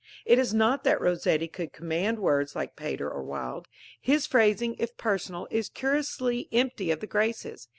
_ It is not that Rossetti could command words like Pater or Wilde. His phrasing, if personal, is curiously empty of the graces.